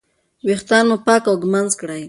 ویښتان مو پاک او ږمنځ کړئ.